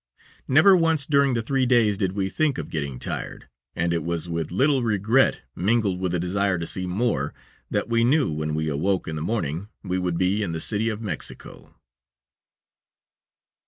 Never once during the three days did we think of getting tired, and it was with a little regret mingled with a desire to see more, that we knew when we awoke in the morning we would be in the City of Mexico.